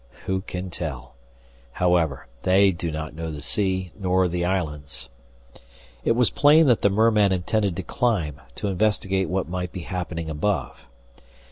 "Who can tell? However, they do not know the sea, nor the islands " It was plain that the merman intended to climb to investigate what might be happening above.